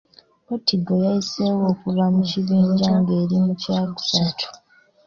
Portigal yayiseewo okuva mu kibinja ng’eri mu kyakusatu.